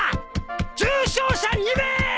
重傷者２名！